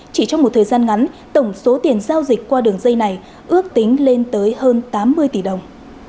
chỉ trong một thời gian ngắn tổng số tiền giao dịch qua đường dây này ước tính lên tới hơn tám mươi tỷ đồng